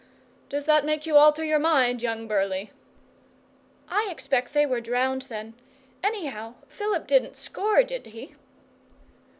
Does that make you alter your mind, young Burleigh?' 'I expect they were drowned, then. Anyhow, Philip didn't score, did he?